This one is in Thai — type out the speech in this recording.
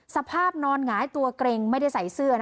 สภาพนอนหงายตัวเกร็งไม่ได้ใส่เสื้อ